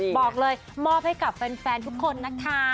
บอกเลยมอบให้กับแฟนทุกคนนะคะ